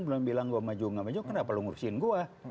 belum bilang gua maju nggak maju kenapa lu ngurusin gua